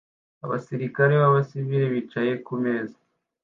Abasirikare nabasivili bicaye kumeza